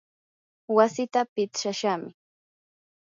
wasiita pitsashaqmi.